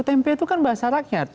tempe itu kan bahasa rakyat